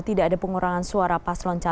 tidak ada pengurangan suara pas lonca